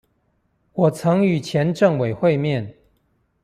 我曾與前政委會面